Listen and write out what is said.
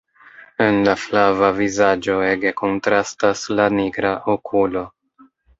En la flava vizaĝo ege kontrastas la nigra okulo.